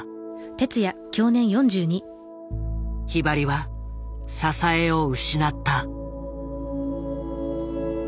ひばりは支えを失った。